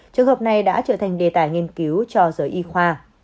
trường hợp này đã trở thành đề tài nghiên cứu cho giới y khoa